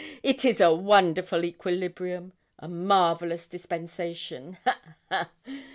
It is a wonderful equilibrium a marvellous dispensation ha, ha!'